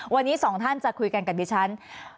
วันนี้สองท่านจะคุยกันกับดิฉัน